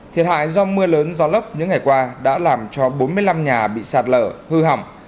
thiệt hại do mưa lớn gió lốc những ngày qua đã làm cho bốn mươi năm nhà bị sạt lở hư hỏng